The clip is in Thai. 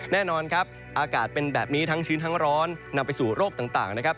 แน่นอนครับอากาศเป็นแบบนี้ทั้งชื้นทั้งร้อนนำไปสู่โรคต่างนะครับ